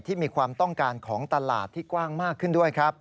มีความต้องการของตลาดที่กว้างมากขึ้นด้วยครับ